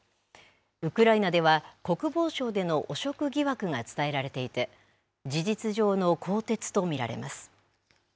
ウクライナでは、国防省での汚職疑惑が伝えられていて、事実上の更迭と見られます。